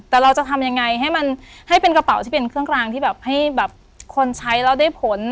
แต่เราจะทำยังไงให้มันให้เป็นกระเป๋าที่เป็นเครื่องรางที่แบบให้แบบคนใช้แล้วได้ผล